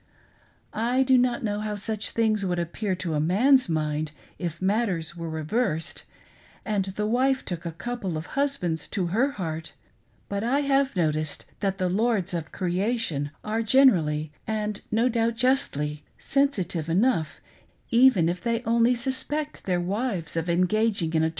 I do not know how such things would appear to a man's mind if matters were reversed and the wife took a couple of husbands to her heart, but I have noticed that " the lords of creation " are generally — and, no doubt, justly — sensitive enough, even if they only suspect their wives of engaging in a.